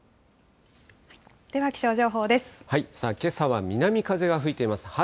さあ、けさは南風が吹いています。